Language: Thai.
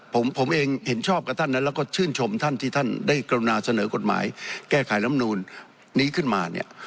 ผมเองเห็นชอบกับท่านนั้นแล้วก็ชื่นชมท่านที่ท่านได้กรุณาเสนอกฎหมายแก้ไขลำนูนนี้ขึ้นมาเนี่ย